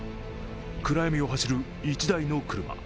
暗闇を走る１台の車。